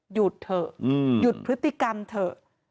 หยุดเถอะหยุดพฤติกรรมเถอะ